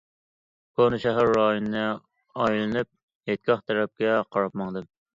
كونا شەھەر رايونىنى ئايلىنىپ ھېيتگاھ تەرەپكە قاراپ ماڭدىم.